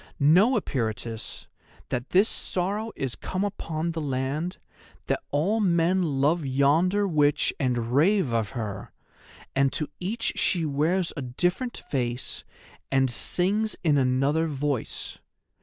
Know, Eperitus, that this sorrow is come upon the land, that all men love yonder witch and rave of her, and to each she wears a different face and sings in another voice.